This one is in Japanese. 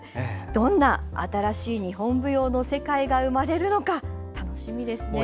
どんな新しい日本舞踊の世界が生まれるのか楽しみですね。